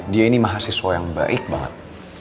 dia ini mahasiswa yang baik banget